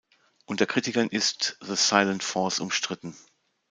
Unter Kritikern ist "The Silent Force" umstritten.